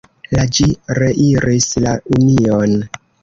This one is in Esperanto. La ĝi reiris la Union.